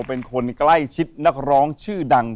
เป็นคนใกล้ชิดนักร้องชื่อดัง